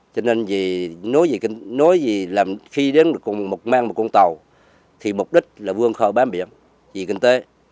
cho nên nói gì khi đến một mang một con tàu thì mục đích là vươn khơi bán biển vì kinh tế